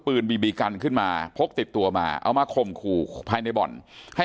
บีบีกันขึ้นมาพกติดตัวมาเอามาข่มขู่ภายในบ่อนให้